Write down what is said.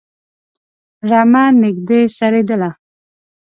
رمه نږدې څرېدله.